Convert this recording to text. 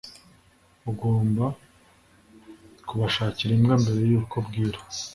ugomba kubashakira imbwa mbere yuko bwira